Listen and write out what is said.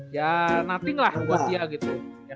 ya nothing lah buat dia gitu